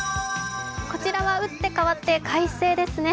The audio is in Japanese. こちらは打って変わって快晴ですね。